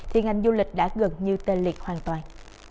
thì ngành du lịch đã gần như tên liệt hoàn toàn